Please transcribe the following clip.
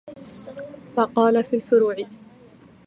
فَقَالَ فِي الْفُرُوعِ